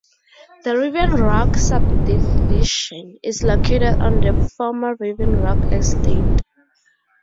The Riven Rock subdivision is located on the former Riven Rock Estate.